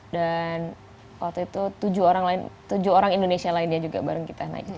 dan waktu itu tujuh orang lain tujuh orang indonesia lainnya juga bareng kita naik